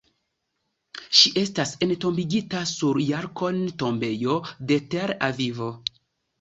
Ŝi estas entombigita sur Jarkon'-tombejo de Tel-Avivo.